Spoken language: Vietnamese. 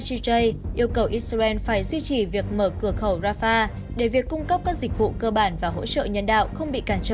jijay yêu cầu israel phải duy trì việc mở cửa khẩu rafah để việc cung cấp các dịch vụ cơ bản và hỗ trợ nhân đạo không bị cản trở